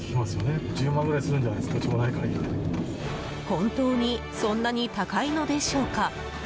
本当にそんなに高いのでしょうか。